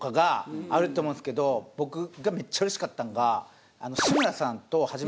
僕がめっちゃうれしかったんが志村さんと。